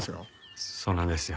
そうなんですよ。